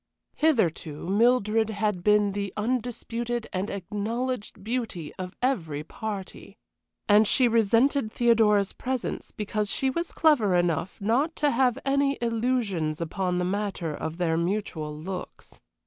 Hitherto Mildred had been the undisputed and acknowledged beauty of every party, and she resented Theodora's presence because she was clever enough not to have any illusions upon the matter of their mutual looks.